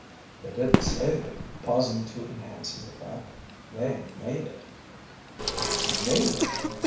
" They didn t save it," pausing to enhance his effect, " they made it. " Made it